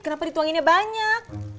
kenapa dituanginnya banyak